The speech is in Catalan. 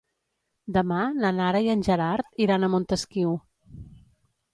Demà na Nara i en Gerard iran a Montesquiu.